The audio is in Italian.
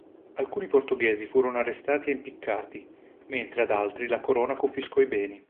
Alcuni portoghesi furono arrestati e impiccati, mentre ad altri la Corona confiscò i beni.